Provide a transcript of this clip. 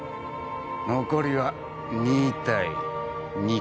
残りは２対２か。